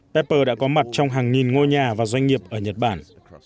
tepper đã có mặt trong hàng nghìn ngôi nhà và doanh nghiệp ở nhật bản